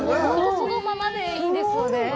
そのままでいいですよね。